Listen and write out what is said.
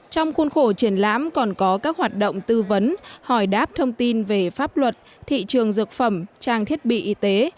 trong khuôn khổ triển lãm còn có các hoạt động tư vấn hỏi đáp thông tin về pháp luật thị trường dược phẩm trang thiết bị y tế